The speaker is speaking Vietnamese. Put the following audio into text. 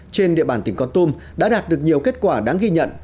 trên địa bàn tỉnh con tum đã đạt được nhiều kết quả đáng ghi nhận